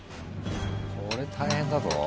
これ大変だぞ。